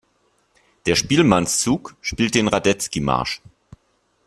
Der Spielmannszug spielt den Radetzky-Marsch.